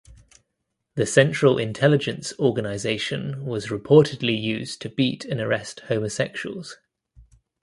The Central Intelligence Organisation was reportedly used to beat and arrest homosexuals.